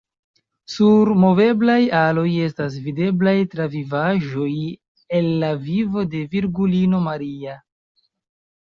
Sur moveblaj aloj estas videblaj travivaĵoj el la vivo de Virgulino Maria.